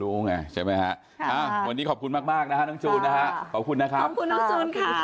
ใช่ไหมฮะวันนี้ขอบคุณมากมากนะฮะน้องจูนนะฮะขอบคุณนะครับขอบคุณน้องจูนค่ะ